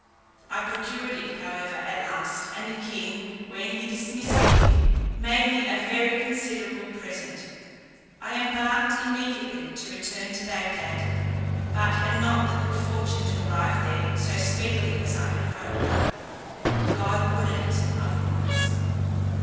I procured it however at last, and the king, when he dismissed me, made me a very considerable present. I embarked immediately to return to Bagdad, but had not the good fortune to arrive there so speedily as I had hoped. God ordered it otherwise.